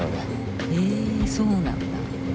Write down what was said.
へえそうなんだ。